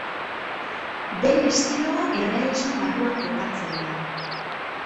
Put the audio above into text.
Bere estiloa Errealismo barruan kokatzen da.